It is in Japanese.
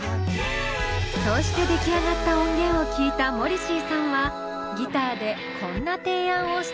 そうして出来上がった音源を聴いたモリシーさんはギターでこんな提案をしたそう。